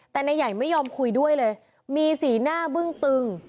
แต่นายใหญ่ไม่ยอมคุยด้วยเลยมีสีหน้าบึ้งตึง